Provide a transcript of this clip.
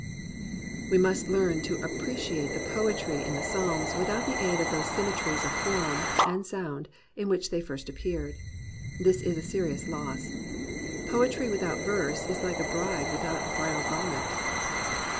"* We must learn to appreciate the poetry in the Psalms without the aid of those symmetries of form and sound in which they first appeared. This is a serious loss. Poetry without verse is like a bride without a bridal garment.